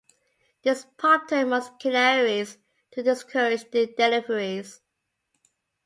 This prompted most canneries to discourage deliveries.